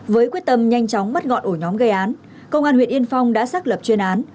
với quyết tâm nhanh chóng bắt ngọn ổ nhóm gây án công an huyện yên phong đã xác lập chuyên án